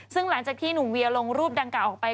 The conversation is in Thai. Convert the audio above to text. ซึ่งหลังจากที่หนุ่มเวียลงรูปดังกล่าออกไป